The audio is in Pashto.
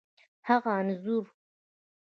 هغه انځور،